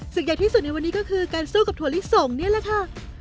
ใหญ่ที่สุดในวันนี้ก็คือการสู้กับถั่วลิสงนี่แหละค่ะ